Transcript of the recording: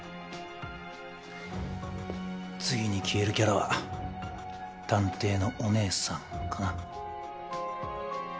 次に消えるキャラは探偵のおねえさんかな？